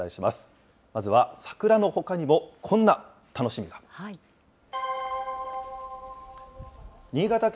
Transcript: まずは桜のほかにも、こんな楽しみが。